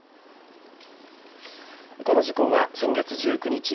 この事故は先月１９日